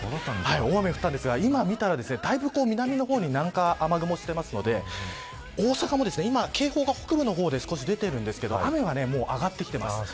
大雨降ったんですが今、見たらだいぶ南の方に雨雲、南下していますので大阪も今警報が北部の方で少し出ているんですが雨はもう上がってきています。